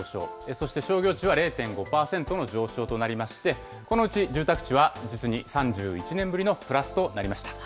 そして商業地は０．５％の上昇となりまして、このうち住宅地は実に３１年ぶりのプラスとなりました。